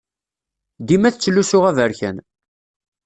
Dima tettlusu aberkan.